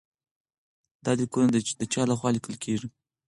دا لیکونه د چا لخوا لیکل کیږي؟